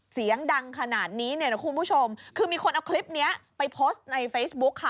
เสียงดังขนาดนี้เนี่ยนะคุณผู้ชมคือมีคนเอาคลิปนี้ไปโพสต์ในเฟซบุ๊คค่ะ